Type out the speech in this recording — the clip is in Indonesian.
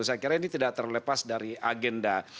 saya kira ini tidak terlepas dari agenda